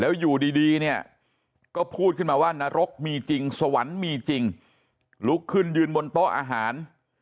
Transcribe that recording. อยู่ดีเนี่ยก็พูดขึ้นมาว่านรกมีจริงสวรรค์มีจริงลุกขึ้นยืนบนโต๊ะอาหาร